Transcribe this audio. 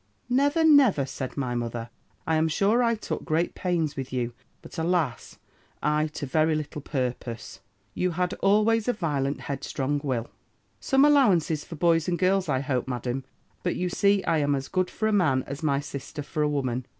"'Never, never,' said my mother; 'I am sure I took great pains with you; but, alas I to very little purpose. You had always a violent headstrong will.' "'Some allowances for boys and girls, I hope, Madam; but you see I am as good for a man as my sister for a woman.'